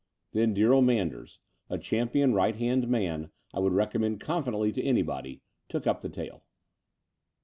Then dear old Manders, a champion right hand man I would recommend confidently to anybody, took up the tale.